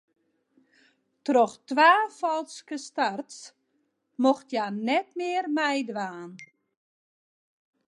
Troch twa falske starts mocht hja net mear meidwaan.